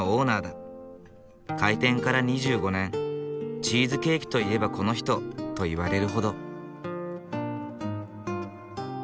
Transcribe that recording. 開店から２５年「チーズケーキといえばこの人」と言われるほど。